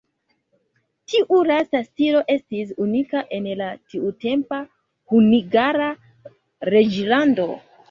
Tiu lasta stilo estis unika en la tiutempa Hungara reĝlando.